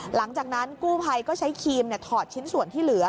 หลังจากนั้นกู้ภัยก็ใช้ครีมถอดชิ้นส่วนที่เหลือ